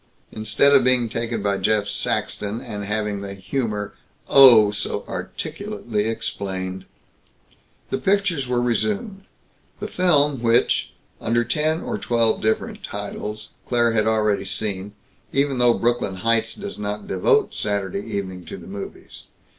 Instead of being taken by Jeff Saxton, and having the humor, oh! so articulately explained!" The pictures were resumed; the film which, under ten or twelve different titles, Claire had already seen, even though Brooklyn Heights does not devote Saturday evening to the movies.